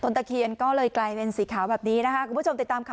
ตะเคียนก็เลยกลายเป็นสีขาวแบบนี้นะคะคุณผู้ชมติดตามข่าว